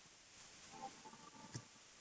مجاهد د حق غږ په نړۍ کي خپور کړی.